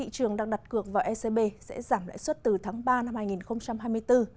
cược vào ecb sẽ giảm lãi suất từ tháng ba năm hai nghìn hai mươi bốn